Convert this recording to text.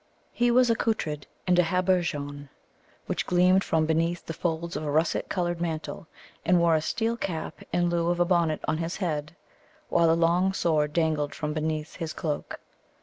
He was accoutred in a habergeon, which gleamed from beneath the folds of a russet coloured mantle, and wore a steel cap in lieu of a bonnet on his head, while a long sword dangled from beneath his cloak.